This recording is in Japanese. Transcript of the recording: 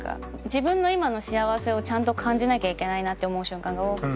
自分の今の幸せをちゃんと感じなきゃいけないなって思う瞬間が多くて。